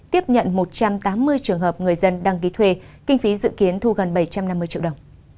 tiếp nhận một trăm tám mươi trường hợp người dân đăng ký thuê kinh phí dự kiến thu gần bảy trăm năm mươi triệu đồng